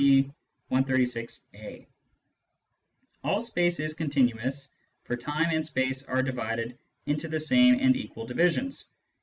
P. 136A] : "All space is continu ous, for time and space are divided into the same and equal divisions.